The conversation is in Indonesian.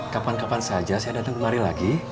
kapan kapan saja saya datang kemari lagi